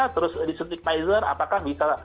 terus di stikmeiser apakah bisa